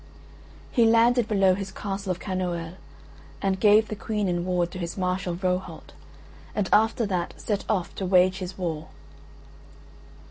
He landed below his castle of Kanoël and gave the Queen in ward to his Marshal Rohalt, and after that set off to wage his war.